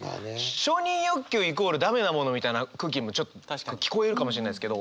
承認欲求イコール駄目なものみたいな空気にもちょっと聞こえるかもしれないですけど。